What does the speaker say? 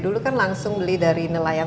dulu kan langsung beli dari nelayan